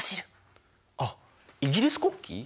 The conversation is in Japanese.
あっイギリス国旗？